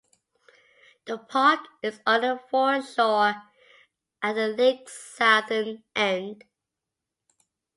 The park is on the foreshore at the lake's southern end.